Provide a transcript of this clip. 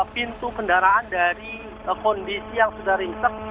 pintu kendaraan dari kondisi yang sudah ringsek